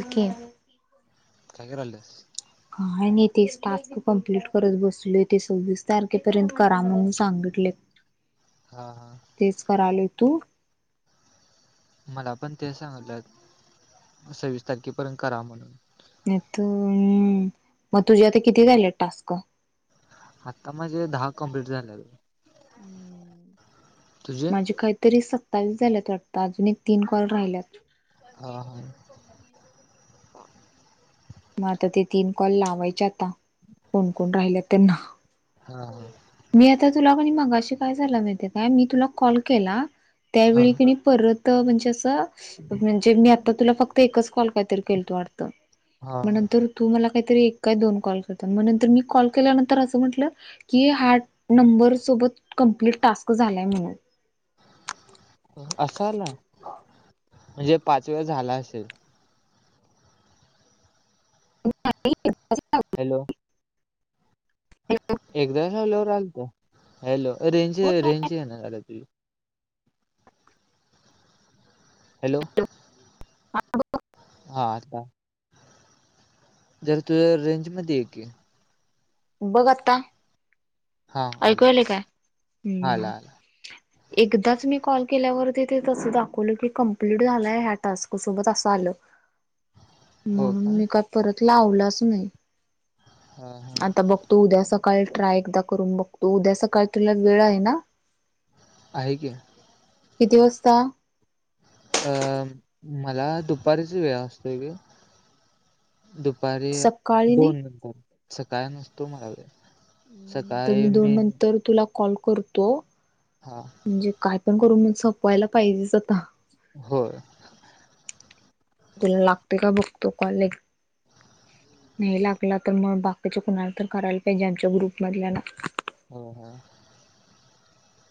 Okay. काय करायलेस? काय नाही तेच टास्क करत बसले ते सव्वीस तारखेपर्यंत म्हणून सांगितले. हा हा. तेच करायले तू? मला पण ते सांगलं सव्वीस तारखेपर्यंत करा म्हणून. नाही तर म् म तुझी आता किती झाल्यात टास्क? आत्ता माझे दहा कम्प्लीट झाल्यात. [inaudible] तुझे? माझे काहीतरी सत्तावीस झाल्यात वाटत अजून एक तीन कॉल राहिल्यात. हा हा. म आता ते तीन कॉल लावायचे आता कोण कोण राहिल्यात त्यांना. हा मी आता तुला कणी मगाशी काय झालं माहिेती हाय काय मी तुला कॉल केला हा त्यावेळी कणी परत म्हणजे असं म्हणजे मी आता तुला फक्त एकच कॉल काहीतरी केलतो वाटतं हा मग नंतर तू मला काहीतरी एक काय दोन कॉल केलत म नंतर मी कॉल केल्यानंतर असं म्हंटलं की हा नंबर सोबत कम्प्लीट टास्क झालाय म्हणून. असा आला? म्हणजे पाच वेळा झाला असेल. [unintelligible] हॅलो. [unintelligible] एकदा झाल्यावर आलंत, हॅलो रेंज रेंज येना झालिया तुझी. हॅलो. [unintelligible] हा आला, जर तू रेंजमध्ये ये की. बघ आता, हा ऐकू आला यायले काय? आला हम्. आला एकदाच मी कॉल केल्यावरती ते तसं दाखवलं की कंप्लीट झालंय ह्या टास्कसोबत असं आलं. [inaudible] हो म्हणून का मी काय परत लावलाच नाही. हां. आता बघतो उद्या सकाळी ट्राय एकदा करून बघतो, उद्या सकाळ तुला वेळ आहे ना? आहे की. किती वास्ता? अं मला दुपारीच वेळ असतोय ग. दुपारी सकाळी नाही दोन नंतर सकाळी नसतो मला वेळ. मग नंतर सकाळी दोन मी नंतर तुला कॉल करतो हा. म्हणजे काय पण करून संपवायला पाहिजेच आता. होय. तुला लागतोय का बघतो कॉल एक. नाही लागला तर मग बाकीचे कुणाला तर करायला पाहिजे आमच्या ग्रुप मधल्याला. हो हां,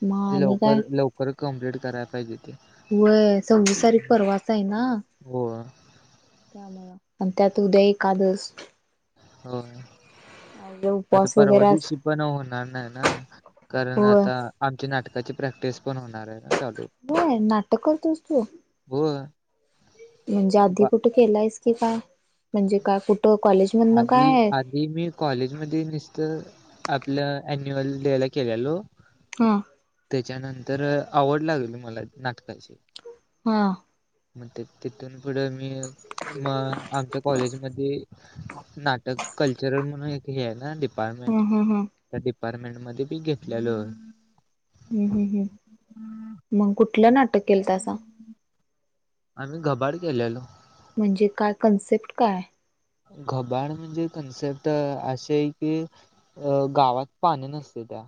मग आणि काय लवकर लवकर कम्प्लीट कराय पाहिजे ते. वय सव्वीस तारीख परवाच आहे ना. होय. त्यामुळं आणि त्यात उद्या एकादस होय. आता उपवास परवा वगैरे अस दिवशी पण होणार नाही ना, कारण होय आता आमची नाटकाची प्रॅक्टिस पण होणार आहे ना चालू. होय, नाटक करतोस तू? होय. म्हणजे आधी कुठं केलायस की काय? म्हणजे काय कुठ कॉलेज म अधी मी कॉलेज मध्ये निसत आपल्या अन्युअल डे ला केलेलो हा. त्याच्यानंतर आवड लागली मला नाटकाची. हा. मग तिथ तिथून पुढं मी म आमच्या कॉलेजमध्ये नाटक कल्चरल म्हणून एक हे आहे ना डिपार्टमेंट. ह ह ह त्या डिपार्टमेंट मध्ये बी घेतलेलो. हम् हम् हम् मग कुठलं नाटक केलंतासा? आम्ही घबाड केल्यालो. म्हणजे काय कन्सेप्ट काय? घबाड म्हणजे कन्सेप्ट अशी आहे की अ गावात पाणी नसते त्या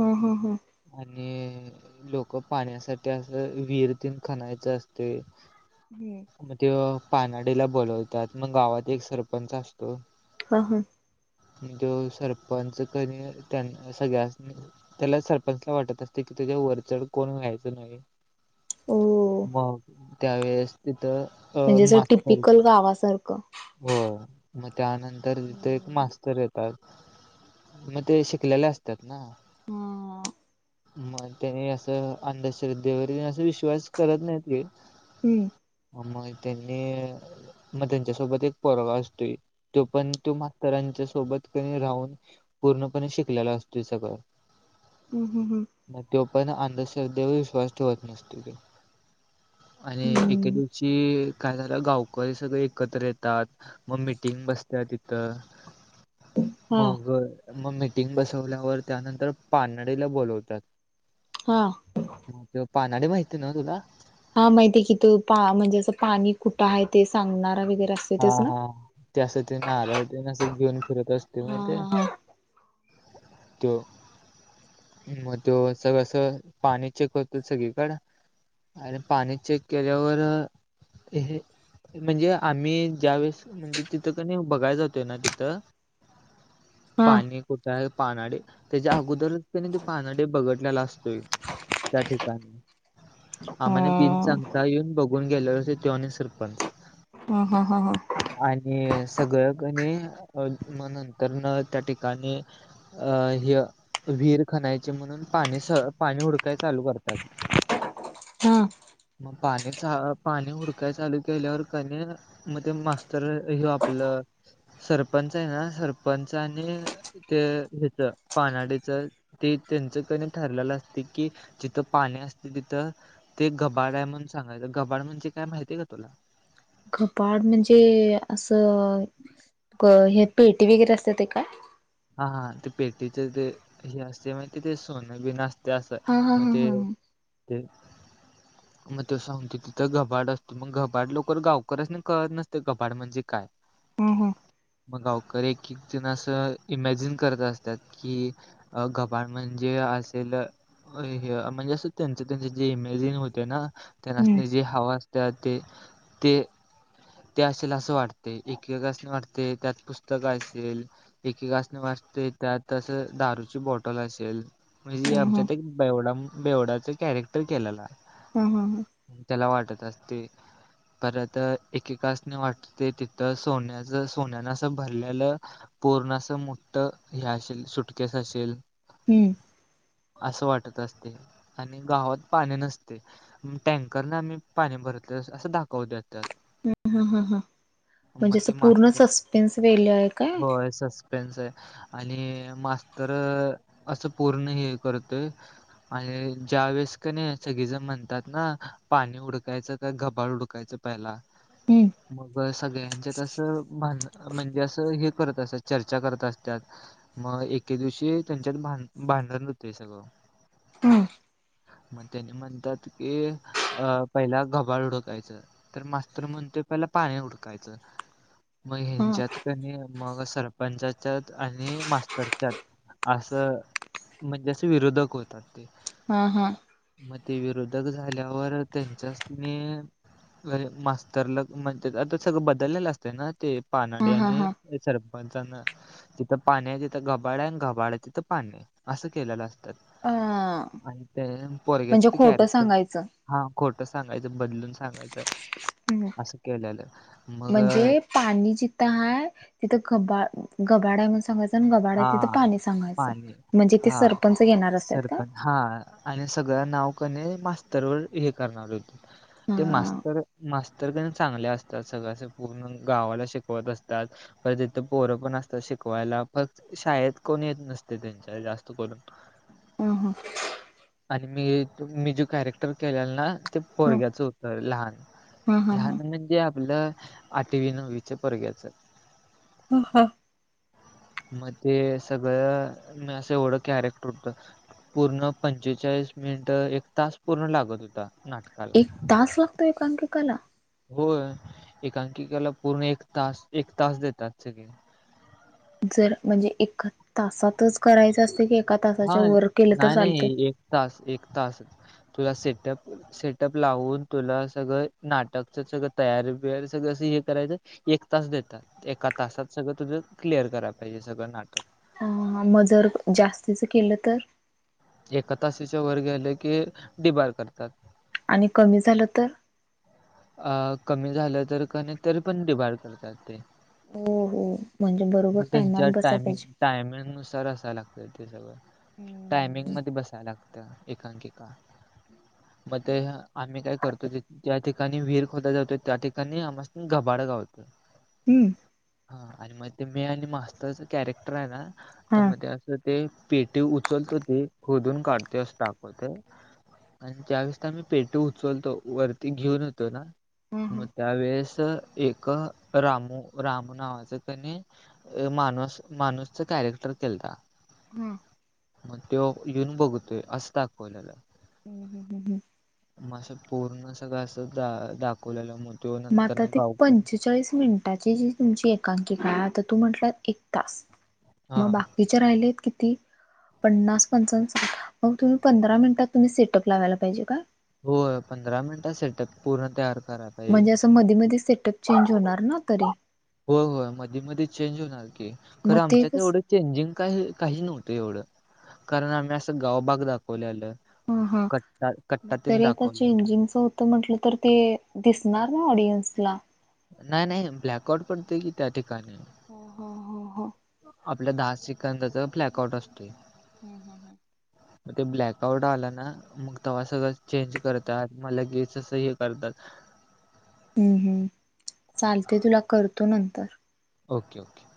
हा हा हा. आणि लोक पाण्यासाठी असं विरत्यानं खनायचं असते ह्. मग त्यो पानाडीला बोलवतात मग गावात एक सरपंच असतो. ह हां. मग तो सरपंच की नाही सगळ्या त्याला सरपंचला वाटत असतय कि त्याच्या वरचड कोण व्हायचं नाही. ओ मग त्यावेेळेस तिथं अ म्हणजे अस मास्तर टिपिकल गावासारखं होय मग त्यानंतर तिथे एक हम्म. मास्तर येतात मग ते शिकलेले असतात ना हम. मग त्यानी असं अंधश्रद्धेवरील अस विश्वास करत नाही ते. हम्म. आम त्यांनी मग त्यांच्यासोबत एक पोरगा असतोय तो पण तो मास्तरांच्या सोबत राहून पूर्णपणे शिकलेला असतोय सगळं. हम हं हं. मग तो पण अंधश्रद्धेवर विश्वास ठेवत नसतो ते आणि एके हम्म दिवशी काय झालं गावकरी हे सगळे एकत्र येतात मग मिटिंग बसत्या तिथ हा मग मग मिटिंग बसवल्यावर त्यानंतर पानडीला बोलवत्यात. हां. ते पानाडी माहिती आहे ना तुला? हा माहिती आहे की त पा म्हणजे असं पाणी कुठं आहे ते सांगणारा वगैरे अस हा हा त्या अस ते नारळ घेऊन फिरत असते हा माहिते? हा त्यो. मग तो असं पाणी चेक करतो सगळीकड. आणि पाणी चेक केल्यावर हे म्हणजे आम्ही मी आणि ज्यावेळी की नाही बघायला जातो ना तिथं हा पाणी कुठ पानाडे त्याच्या अगोदरच त्याने ते पानाडि बघीतलेला असतोय. त्या ठिकाणी. हा मने बिन सांगता येऊन बघून गेलोयसे त्यो आणि सरपंच. हा हा हा हा. आणि सगळं कणी अ मग नंतर न त्या ठिकाणी अ ह्य विहीर खनायचे म्हणून पाणी स पाणी हुडकाय चालू करत्यात. हा म पाणीचा पाणी हुडकाय चालू केल्यावर कने म ते मास्टर हे आपलं सरपंच आहे ना सरपंच आणि ते ह्याचा पानाडीचा ते त्यांचं क नी ठरलेलं असतं की जिथे पाणी असतय तिथं ते घाबड्या आहे म्हणून सांगायचं घबाडा म्हणजे काय माहितीय का तुला? घपाड म्हणजे असं क हे पेटी वगैरे असतं ते काय? हा हा ते पेटीच ते हे असते माहिती ते सोने बीनं असते असं. हा हा हा हा हा. तेच म तो सांगते तिथं घबाड असतो म लोकर गावकर्यांसना कळत नसते घबाड म्हणजे काय. हा हा हा. म गावकरी एक-एक तेन असं इमॅजिन करत असत्यात कि अ घबाड म्हणजे असेल ओय म्हणजे असं त्यांचे त्यांचे जे इमेजिन होते ना त्या हम्म नासनी जे हवा असत्या ते ते ते असेल असं वाटते एकेकासनं वाटते त्यात पुस्तका असेल एकेकासने वाचते त्यात तसं दारूची बॉटल असेल. म्हणजे हा आमच्यात एक बेवडाम बेवडाच कॅरेक्टर केलेला. हा हा हा. त्याला वाटत असते परत एकेकासने वाट ते तिथं सोन्याचा सोन्याने असं भरलेलं पूर्ण असं मोठ हे असेल सुटकेस असेल हम्म असं वाटत असते आणि गावात पाणी नसते. म टँकरनं आम्ही पाणी भरतोय असं असं दाखवत्यात त्यात. हम्म हा हा हा म्हणजे मग असं ते पूर्ण मास्तर सस्पेन्स वेल्या आहेत. होय सस पेनच्या आहे आणि मास्टर असं पूर्ण हे करतोय आणि ज्या वेळेस का नाही सगळे जण म्हणतात ना पाणी उडकायचं काय घबाळ उडकायचं पहिला हम्म म्हणजे सगळ्यांचं कसं भांडणं म्हणजे असं हे करत असत्या चर्चा करत असत्यात मग एके दिवशी त्यांच्यात भान भांडण होतोय सगळं. [inaudible] मग त्यानी म्हणत्यात की अ पहिला घबाळ हुडकायचं तर मास्तर म्हणतोय पहिला पाणी उडकायचं म हा ह्यांच्यात क नी मग सरपंचाच्यात आणि मास्तरच्यात असं म्हणजे असे विरोधक होतात ते. हा हा. म ते विरोधक झाल्यावर त्यांच्याचस तिने अरे मास्तरला म्हणतेत आता सगळं बदललेलं असतं ना ते हा पानडी हा आणि हा हे सरपंचांना तिथं पाणी आहे तिथं घबाड आहे आणि घबाड आहे तिथं पाणी आहे असं केलेलं असतं. अ आणि तेयम म्हणजे खोटं सांगायचं. हा खोटं सांगायचं बदलून सांगायचं असं केलेलं मग म्हणजे पाणी जिथं हाय तिथं खबाड घबाड आहं म्हणून सांगायचं. गबाड हा तिथ पाणी सांगायचं पाणी म्हणजे ते हा सरपंच घेणार असतात का? सरपंच हा आणि सगळं नाव क नाही मास्तरवर हे करणार होती. ते हा मास्तर मास्तर क नाही चांगले असतात. सगळं अस पूर्ण गावाला शिकवत असत्यात परत तिथं पोरं पण असतात शिकवायला, फक् शाळेत कोण येत नसतंय त्यांच्या जास्त करून. ह हां आणि मी मी जे कॅरेक्टर केलेलं ना ते पोरग्याचं होतं लहान. हा हा हा लहान म्हणजे आपलं आठवी नववीच्या पोरग्याचं. ह् हा मग ते सगळं म असं एवढं कॅरेक्टर हूत. पूर्ण पंचेचाळीस मिनिट एक तास पूर्ण लागत होता नाटकाला. एक तास लागतो एकांककीकाला? होय एकांकिकेला पूर्ण एक तास एक तास देतात सगळे. जर म्हणजे एका तासातच करायचं असतंय का एका तासाच्या हा. वर केलं तर नाही चालतंय? नाही एक तास एक तास तुझा सेटअप सेटअप लावून. तुला सगळं नाटकच सगळं तयारी बियार सगळं असं हे करायचं, एक तास देतात एका तासात सगळं तुझं क्लिअर करायला पाहिजे सगळं नाटक. हा म जर जास्तीचं केलं तर? एका तासाच्या वर गेले की डीबार करतात. आणि कमी झालं तर? अ कमी झालं तर क नाही तरी पण डिबारड करतात ते. हो हो म्हणजे बरोबर मग त्यांच्या टायमान बसाय टायमिंग पाहिजे. टायमिंग नुसार असाय लागतंय ते सगळं. टायमिंगमध्ये बसायला लागतं एकांकिका. मग ते आम्ही काय करतोय ते त्या ठि-‍- कणी विहीर खोदाय जातोय त्या ठिकाणी आम्हासंनी घबाड घावलंत. हम्म हा आणि मग ते मी आणि मास्तरच कॅरेक्टर आहे न ते हा मधी असं ते पेटी उचल तो ते खोदून काढतोय असं दाखवतेय. आणि ज्यावेेळेस ते आम्ही पेटी उचलतो वरती घेऊन ये तर हे ना हा हा मग त्यावेेळेस एक रामू रामू नावाचं कणी माणूस माणूसच़ कॅरेक्टर केलता. हा मग तो येऊन बघतोय असं दाखवल्यालं. ह्म ह्म ह्म ह्म म असं पूर्ण सगळं असं दा दाख दाखवलेलं म तो म नंतर आता ना ते गावकर पंचेचाळीस मिनटाची जी तुमची एकांकी आहे आता तू म्हटंला एक तास हा मग बाकीचे राहिलेत किती पन्नास पंचावन मग तुम्ही पंधरा मिनिटात तुम्ही सेटअप लावायला पाहिजे का? होय पंधरा मिनिटांत सेटअप पूर्ण तयार करा म्हणजे असं मधी मधी सेटअप चेंज होणार ना तरी? हो होय मधी मधी चेंज होणार की मग खरं ते आमच्यात कस एवढंच चेंजिंग काय काही नव्हतं एवढं कारण आम्ही असं गावबाग दाखवले लेलं. हा हा मग तरी आता दाखवलेला. चेंजिंगच त म्हटलं तर ते दिसणार न ऑडियन्सला. नाय नाय ब्लॅकट पडते की त्या ठिकाणी. हो हो. आपल्या दहा सेकंदच फ्लॅकआउट असतो. हम् हम हम. मग ते ब्लॅक आउट आला ना मग त व्हा सगळं चेंज करत आ म लगेचसं हे करतात. हम्म हम्म चालते तुला करतो नंतर. Okay okay.